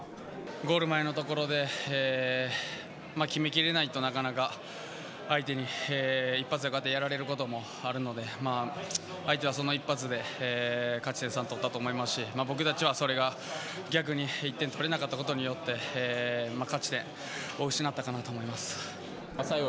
ゴール前のところで決めれきれないとなかなか相手に１発やられることもあるので相手はその一発で勝ち点３を取ったと思いますし僕たちはそれが逆に１点取れなかったことによって勝ち点を失ったかなと思います。